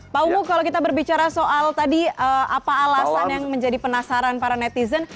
pak umu kalau kita berbicara soal tadi apa alasan yang menjadi penasaran para netizen